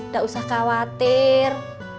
gak usah khawatir